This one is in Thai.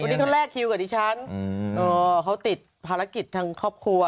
วันนี้เขาแลกคิวกับดิฉันเขาติดภารกิจทางครอบครัว